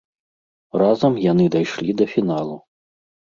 Разам яны дайшлі да фіналу.